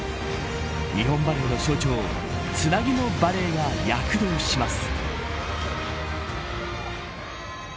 日本バレーの象徴つなぎのバレーが躍動します。